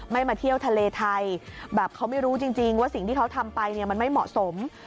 มาเที่ยวทะเลไทยแบบเขาไม่รู้จริงว่าสิ่งที่เขาทำไปเนี่ยมันไม่เหมาะสม